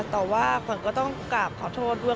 แต่ว่าขวัญก็ต้องกราบขอโทษด้วย